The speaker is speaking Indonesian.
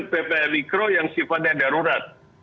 ppkm mikro yang sifatnya darurat